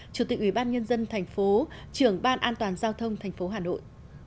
chủ tịch ủy ban nhân dân tp trưởng ban an toàn giao thông tp hà nội